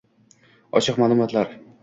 Ochiq ma'lumotlar